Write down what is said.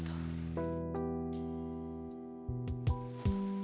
kayaknya pasti taro disitu